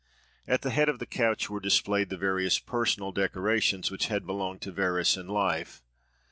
At the head of the couch were displayed the various personal decorations which had belonged to Verus in life.